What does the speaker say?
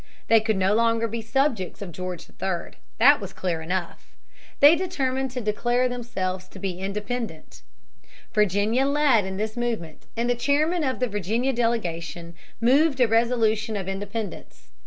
They could no longer be subjects of George III. That was clear enough. They determined to declare themselves to be independent. Virginia led in this movement, and the chairman of the Virginia delegation moved a resolution of independence.